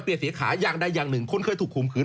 เปรียดเสียขายางใดอย่างหนึ่งคนนึงเคยถูกหุ่มขืน